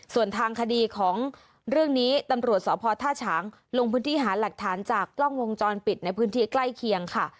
ส่วนทางคดีของเรื่องนี้ตำรวจสพท่าฉางลงพื้นที่หาหลักฐานจากกล้องวงจรปิดในพื้นที่ใกล้เคียงค่ะ